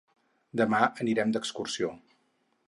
Demà anirem d'excursió.